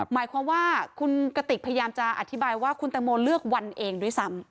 หมายความว่าคุณกติกพยายามจะอธิบายว่าคุณตังโมเลือกวันเองด้วยซ้ำ